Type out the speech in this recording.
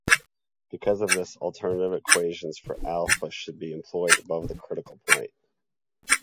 Because of this, alternate equations for alpha should be employed above the critical point.